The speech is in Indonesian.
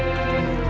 oke sampai jumpa